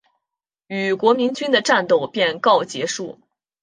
与国民军的战斗便告结束。